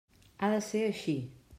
Ha de ser així.